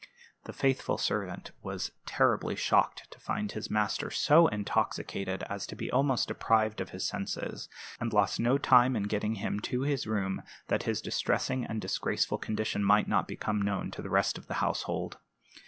The faithful servant was terribly shocked to find his master so intoxicated as to be almost deprived of his senses, and lost no time in getting him to his room that his distressing and disgraceful condition might not become known to the rest of the household.